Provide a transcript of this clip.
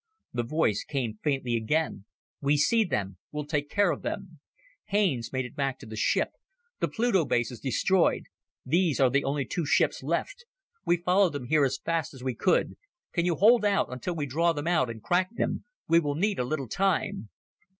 The voice came faintly again, "We see them. We'll take care of them. Haines made it back to the ship. The Pluto base is destroyed. There are only those two ships left. We followed them here as fast as we could. Can you hold out until we draw them out and crack them? We will need a little time."